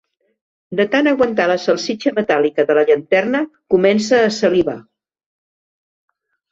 De tant aguantar la salsitxa metàl·lica de la llanterna comença a salivar.